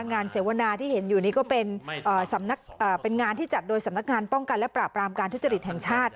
เสวนาที่เห็นอยู่นี้ก็เป็นงานที่จัดโดยสำนักงานป้องกันและปราบรามการทุจริตแห่งชาติ